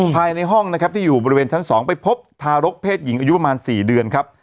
ภายในห้องนะครับที่อยู่บริเวณชั้น๒ไปพบทารกเพศหญิงอายุประมาณ๔เดือนครับ